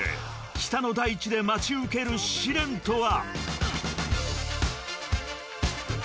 ［北の大地で待ち受ける試練とは？］